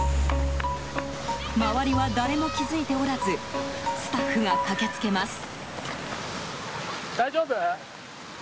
周りは誰も気づいておらずスタッフが駆け付けます。